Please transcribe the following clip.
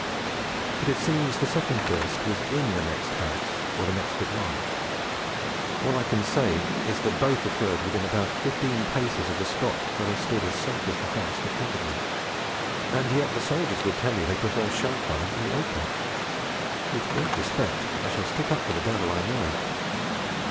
But it seems the second burst was in the next house, or in the next but one. All I can say is that both occurred within about fifteen paces of the spot where I stood as safe as the house that covered me. And yet the soldiers tell you they prefer shell fire in the open! With great respect, I shall stick up for the devil I know.